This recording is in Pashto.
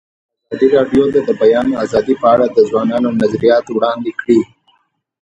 ازادي راډیو د د بیان آزادي په اړه د ځوانانو نظریات وړاندې کړي.